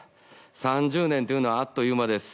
３０年というのはあっという間です。